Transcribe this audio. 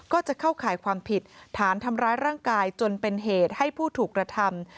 ก็จะเข้าข่ายความผิดฐานทำร้ายร่างกายจนเป็นเหตุให้ผู้ถูกกระทำ